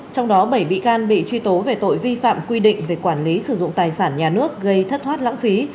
trong đó bảy bị can bị truy tố về tội vi phạm quy định về quản lý sử dụng tài sản nhà nước gây thất thoát lãng phí